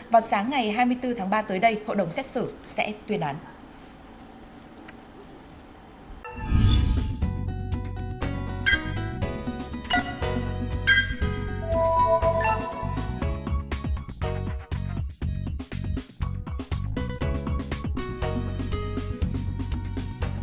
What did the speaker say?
vào sáng ngày hai mươi bốn tháng ba tới đây hội đồng xét xử sẽ tuyên đoán